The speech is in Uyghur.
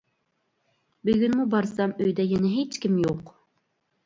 بۈگۈنمۇ بارسام ئۆيىدە يەنە ھېچكىم يوق.